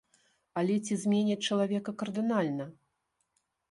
Але ці зменяць чалавека кардынальна?